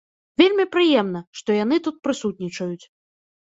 Вельмі прыемна, што яны тут прысутнічаюць.